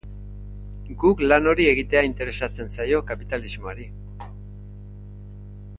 Guk lan hori egitea interesatzen zaio kapitalismoari.